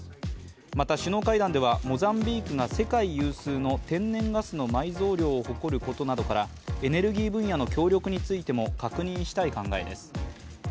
また、首脳会談ではモザンビークが世界有数の天然ガスの埋蔵量を誇ることなどからエネルギー分野の協力についても確認したい考えです。